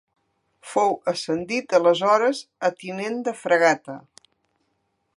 Fou ascendit aleshores a tinent de fragata.